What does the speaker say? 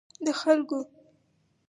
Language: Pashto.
د خلګو